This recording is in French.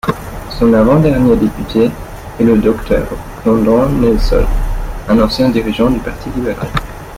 Son avant-dernier député est le Dr Brendan Nelson, un ancien dirigeant du Parti libéral.